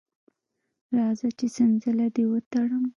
راځه چې څنځله دې وتړم.